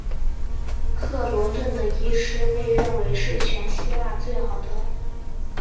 克罗顿的医师被认为是全希腊最好的。